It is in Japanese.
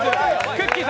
くっきー！